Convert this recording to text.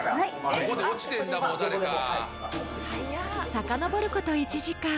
［さかのぼること１時間］